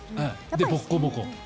で、ボッコボコ。